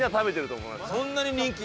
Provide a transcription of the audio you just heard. そんなに人気。